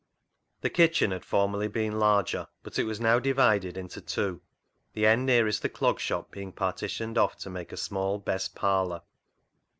The kitchen had formerly been larger, but it was now divided into two, the end nearest the Clog Shop being partitioned off to make a small " best parlour."